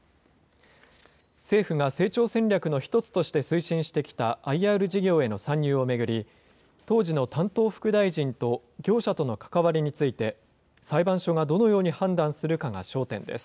政府が成長戦略の一つとして推進してきたＩＲ事業への参入を巡り、当時の担当副大臣と業者との関わりについて、裁判所がどのように判断するかが焦点です。